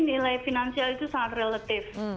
nilai finansial itu sangat relatif